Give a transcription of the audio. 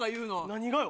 何がよ。